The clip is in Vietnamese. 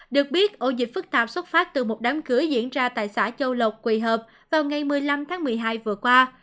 được biết ổ dịch phức tạp xuất phát từ một đám cưới diễn ra tại xã châu lộc quỳ hợp vào ngày một mươi năm tháng một mươi hai vừa qua